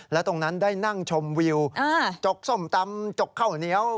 และตรงนั้นได้นั่งชมวิวจกส้มตำจกข้าวเหนียว